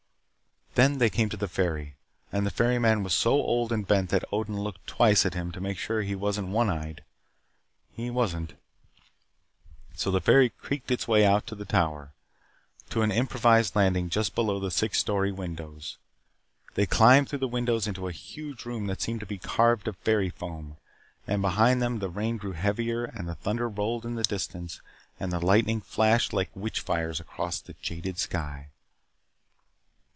Then they came to the ferry, and the ferryman was so old and bent that Odin looked twice at him to make sure that he wasn't one eyed. He wasn't. So the ferry creaked its way out to the Tower to an improvised landing just below the sixth story windows. They climbed through the windows into a huge room that seemed to be carved of fairy foam, and behind them the rain grew heavier and the thunder rolled in the distance and the lightning flashed like witch fires across the jaded sky.